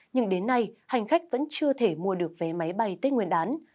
nhưng đến nay hành khách vẫn chưa thể mua được vé máy bay tết nguyên đán